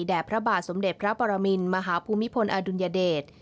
พระบาทสมเด็จพระปรมินมหาภูมิพลอดุลยเดช